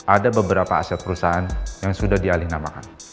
ada beberapa aset perusahaan yang sudah dialih namakan